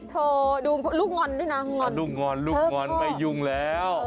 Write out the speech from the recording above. ดูลูกงอนด้วยนะงอนลูกงอนลูกงอนไม่ยุ่งแล้ว